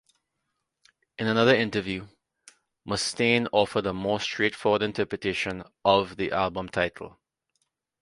In another interview, Mustaine offered a more straightforward interpretation of the album title.